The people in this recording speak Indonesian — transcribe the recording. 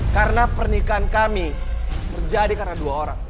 karena pernikahan kami terjadi karena dua orang